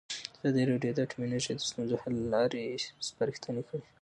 ازادي راډیو د اټومي انرژي د ستونزو حل لارې سپارښتنې کړي.